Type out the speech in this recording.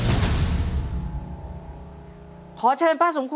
พ่อสนอเลือกตอบตัวเลือกที่๒คือแป้งมันครับ